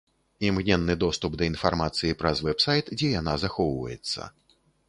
Імгненны доступ да інфармацыі праз вэб-сайт, дзе яна захоўваецца.